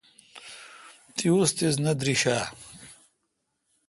تی ؤستیذ نہ دریݭ آ؟